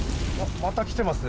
また来てますね